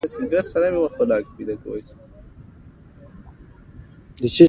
لوی استاد علامه حبیبي د افغانستان تاریخ لیکني ته ډېر کار کړی دی.